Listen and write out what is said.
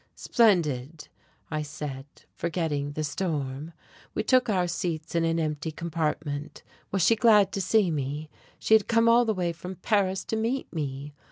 "Splendid," I said, forgetting the storm. We took our seats in an empty compartment. Was she glad to see me? She had come all the way from Paris to meet me!